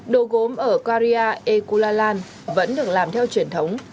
đồ gốm ở karya ekulalan vẫn được làm theo truyền thống